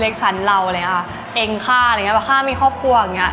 เอียงชั้นเราเลยค่ะเอ็งขาข้ามีครอบครัว